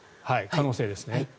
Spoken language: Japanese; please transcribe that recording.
可能性ですね。